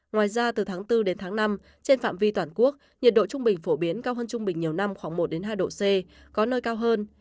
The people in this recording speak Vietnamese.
ngoài ra từ tháng bốn đến tháng năm trên phạm vi toàn quốc nhiệt độ trung bình phổ biến cao hơn trung bình nhiều năm khoảng một hai độ c có nơi cao hơn